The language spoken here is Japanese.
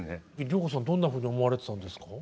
良子さんどんなふうに思われてたんですか？